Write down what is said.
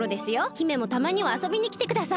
姫もたまにはあそびにきてください。